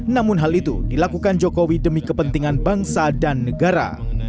namun hal itu dilakukan jokowi demi kepentingan bangsa dan negara